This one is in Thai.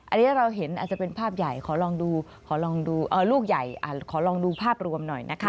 อันนี้เราเห็นอาจจะเป็นภาพใหญ่ลูกใหญ่ขอลองดูภาพรวมหน่อยนะคะ